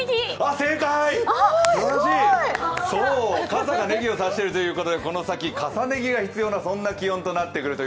正解、傘がねぎを差しているということでこのさき、重ね着が必要な気温になってくると。